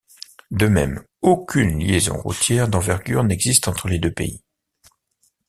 De même aucune liaison routière d'envergure n'existe entre les deux pays.